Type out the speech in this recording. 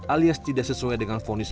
alias tidak sesuai dengan fonis